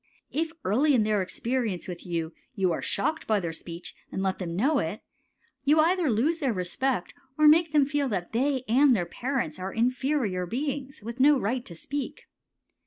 If early in their experience with you you are shocked by their speech and let them know it, you either lose their respect or make them feel that they and their parents are inferior beings with no right to speak.